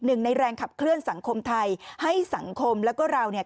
หนึ่งในแรงขับเคลื่อนสังคมไทยให้สังคมแล้วก็เราเนี่ย